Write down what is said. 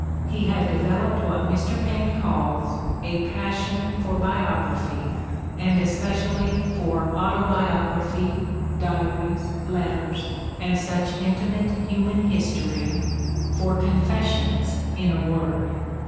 He had developed what Mr. Paine calls "a passion for biography, and especially for autobiography, diaries, letters, and such intimate human history" — for confessions, in a word.